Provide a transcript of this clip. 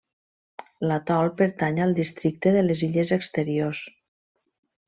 L'atol pertany al districte de les Illes Exteriors.